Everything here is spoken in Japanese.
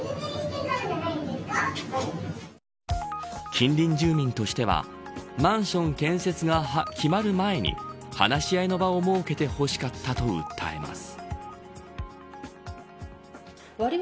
近隣住民としてはマンション建設が決まる前に話し合いの場を設けてほしかったと訴えます。